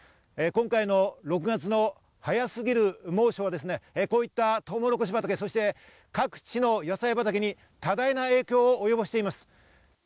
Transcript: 今回の６月の早すぎる猛暑は、こうしたトウモロコシ畑、各地の野菜畑に多大な影響を及ぼしています。